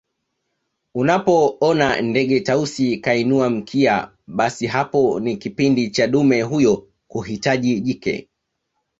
Unapoona ndege Tausi kainua mkia basi hapo ni kipindi cha dume huyo kuhitaji jike